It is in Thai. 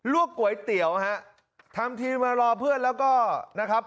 วกก๋วยเตี๋ยวฮะทำทีมารอเพื่อนแล้วก็นะครับ